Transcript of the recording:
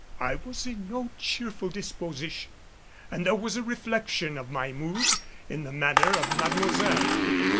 I was in no cheerful disposition, and there was a reflection of my mood in the manner of Mademoiselle.